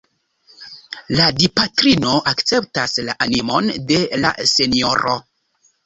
La Dipatrino akceptas la animon de la senjoro.